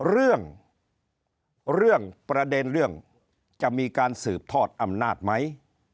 เรื่องเรื่องประเด็นเรื่องจะมีการสืบทอดอำนาจไหม